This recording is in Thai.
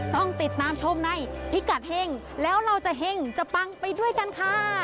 ต้องติดตามชมในพิกัดเฮ่งแล้วเราจะเฮ่งจะปังไปด้วยกันค่ะ